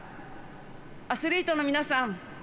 アスリートの皆さん。